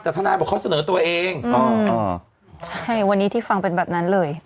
แต่ทนายบอกเขาเสนอตัวเองอ๋ออ่าใช่วันนี้ที่ฟังเป็นแบบนั้นเลย